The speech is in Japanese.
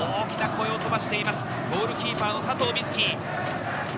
大きな声を飛ばしています、ゴールキーパーの佐藤瑞起。